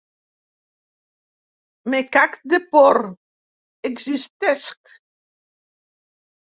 Me cag de por, existesc.